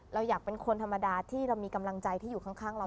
เราอยากเป็นคนธรรมดาที่เรามีกำลังใจที่อยู่ข้างเรา